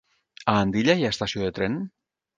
A Andilla hi ha estació de tren?